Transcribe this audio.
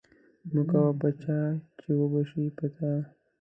مه کوه په چا، چی وبه شي په تا